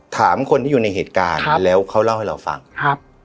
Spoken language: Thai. ถามคนที่อยู่ในเหตุการณ์แล้วเขาเล่าให้เราฟังครับ